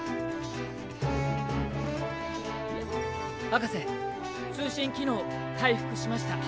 博士通信機能回復しました。